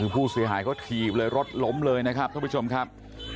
ผู้เสียหายเขาถีบเลยรถล้มเลยนะครับท่านผู้ชมครับ